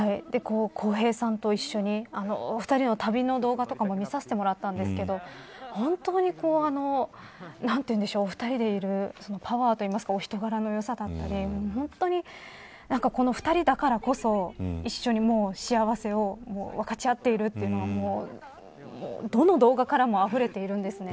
こうへいさんと一緒にお二人の旅の動画とかも見させてもらったんですけど本当に２人でいるパワーというかお人柄のよさだったりこの２人だからこそ一緒に幸せを分かち合ってるというのがどの動画からもあふれているんですね。